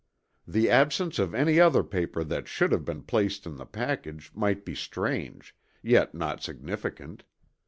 The absence of any other paper that should have been placed in the package might be strange, yet not significant.